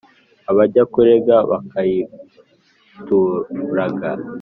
Abajya kurenga bakayituraga.